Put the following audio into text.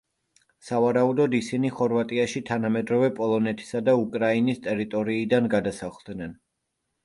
სავარაუდოდ ისინი ხორვატიაში თანამედროვე პოლონეთისა და უკრაინის ტერიტორიიდან გადასახლდნენ.